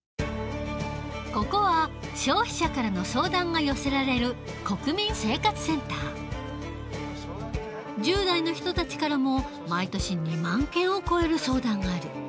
ここは消費者からの相談が寄せられる１０代の人たちからも毎年２万件を超える相談がある。